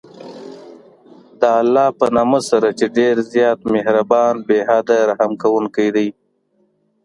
د الله په نامه سره چې ډېر زیات مهربان، بې حده رحم كوونكى دی.